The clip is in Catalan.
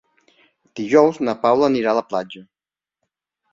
Dijous na Paula anirà a la platja.